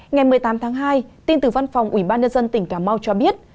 ngày một mươi tám tháng hai tin từ văn phòng ubnd tỉnh cà mau cho biết